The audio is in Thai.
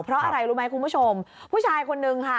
เพราะอะไรรู้ไหมคุณผู้ชมผู้ชายคนนึงค่ะ